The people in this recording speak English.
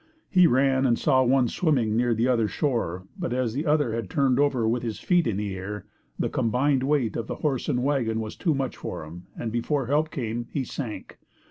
He ran and saw one swimming near the other shore but as the other had turned over with his feet in the air, the combined weight of the horse and wagon was too much for him and before help came, he sank.